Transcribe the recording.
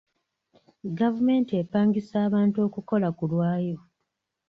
Gavumenti epangisa abantu okukola ku lwayo.